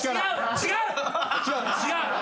違う！